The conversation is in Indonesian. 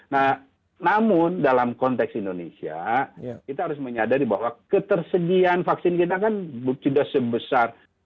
nah namun dalam konteks indonesia kita harus menyadari bahwa ketersediaan vaksin kita kan tidak sebesar